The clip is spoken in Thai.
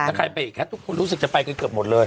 ถ้าใครไปอีกทุกคนรู้สึกจะไปกันเกือบหมดเลย